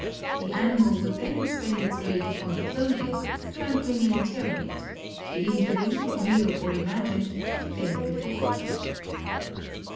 The animal would then expend its rage upon the clothing, trampling and tearing it; the injury, real or imagined, would then be forgotten.